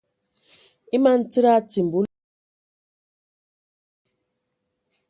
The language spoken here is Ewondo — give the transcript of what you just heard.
E man tsid a atimbi a olam nga awū a nsom.